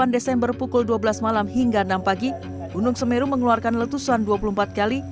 delapan desember pukul dua belas malam hingga enam pagi gunung semeru mengeluarkan letusan dua puluh empat kali